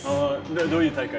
どういう大会？